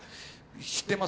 知ってます？